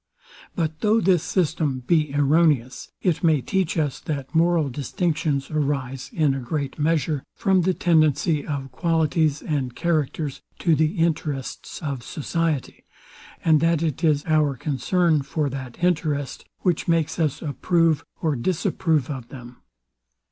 But though this system be erroneous, it may teach us, that moral distinctions arise, in a great measure, from the tendency of qualities and characters to the interests of society, and that it is our concern for that interest, which makes us approve or disapprove of them.